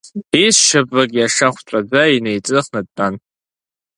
Изшьапык иашахәҵәаӡа, инеиҵыхны дтәан.